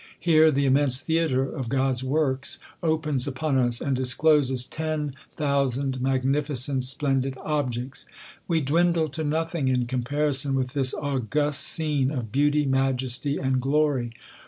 Here the immense theatre of God's works opens upon us, and discloses ten thousand magnificent, splen did objects. We dwindle to nothing in comparison with this august scene of beauty, majesty, and glory.